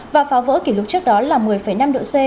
và phá vỡ kỷ lục trước đó là một mươi năm độ c